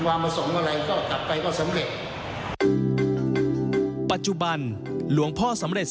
ความประสงค์อะไรก็กลับไปก็สำเร็จปัจจุบันหลวงพ่อสำเร็จ